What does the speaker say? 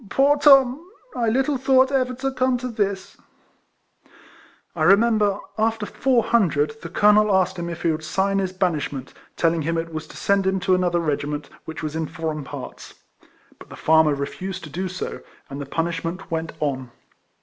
poor Tom! I little thought ever to come to this !" I re member, after four hundred, the colonel asked him if he would sign his banishment, telling him it was to send him to another regiment, which was in foreign parts; but the farmer refused to do so, and the punish ment went on.